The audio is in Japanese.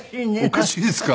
おかしいですか？